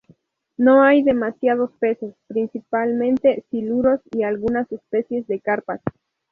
No hay demasiados peces, principalmente siluros y algunas especies de carpas.